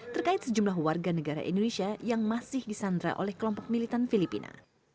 terkait sejumlah warga negara indonesia yang masih disandra oleh kelompok militan filipina